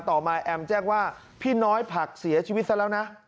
ต่อมาแอมแจ้งว่าพี่น้อยผักเสียชีวิตซะแล้วนะ